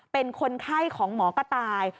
เป็นคนไข้ของหมอกระต่าย